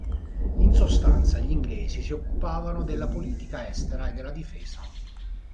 In sostanza, gli inglesi si occupavano della politica estera e della difesa.